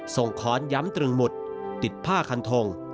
ค้อนย้ำตรึงหมุดติดผ้าคันทง